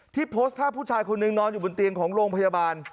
โพสต์ภาพผู้ชายคนหนึ่งนอนอยู่บนเตียงของโรงพยาบาล